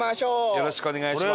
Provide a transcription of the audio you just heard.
よろしくお願いします。